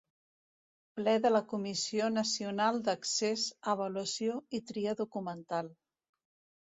Ple de la Comissió Nacional d'Accés, Avaluació i Tria documental.